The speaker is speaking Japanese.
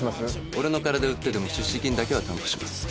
俺の体売ってでも出資金だけは担保します